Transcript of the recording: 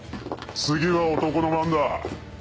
次は男の番だ。